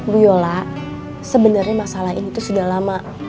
bu yola sebenarnya masalah ini sudah lama